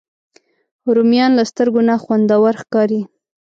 رومیان له سترګو نه خوندور ښکاري